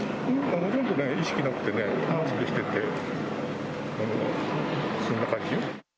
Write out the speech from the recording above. ほとんどね、意識なくてね、マスクしてて、そんな感じ。